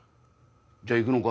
じゃあ行くのか？